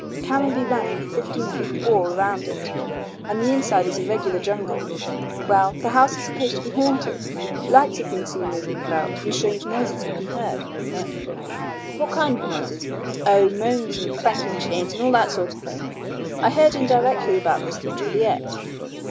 "Caranby ran a fifteen feet wall round it and the inside is a regular jungle. Well, the house is supposed to be haunted. Lights have been seen moving about and strange noises have been heard." "What kind of noises?" "Oh, moans and clanking chains and all that sort of thing. I heard indirectly about this, through Juliet."